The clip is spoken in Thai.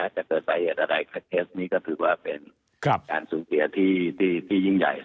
จะเกิดประเหตุอะไรก็คือว่าเป็นการสูงเสียที่ยิ่งใหญ่